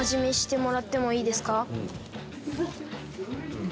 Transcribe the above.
うん。